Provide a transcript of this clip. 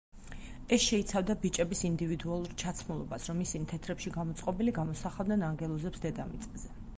ეს შეიცავდა ბიჭების ინდივიდუალურ ჩაცმულობას, რომ ისინი თეთრებში გამოწყობილი გამოსახავდნენ ანგელოზებს დედამიწაზე.